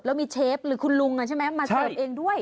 แล้วมีเชฟหรือคุณลุงใช่ไหมมาเชฟเองด้วย